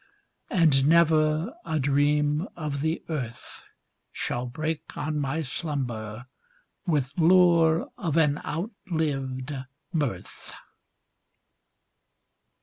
And never a dream of the earth Shall break on my slumber with lure of an out lived mirth.